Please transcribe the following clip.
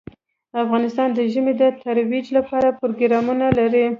افغانستان د ژمی د ترویج لپاره پروګرامونه لري.